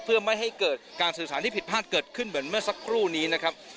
เพื่อไม่ให้เกิดการสื่อสารที่ผิดพลาดเกิดขึ้นเหมือนเมื่อสักครู่นี้นะครับ